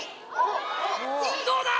どうだ？